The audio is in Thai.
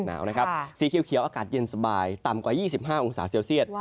หนาวนะครับสีเขียวอากาศเย็นสบายต่ำกว่า๒๕องศาเซลเซียต